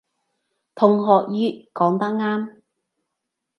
同學乙講得啱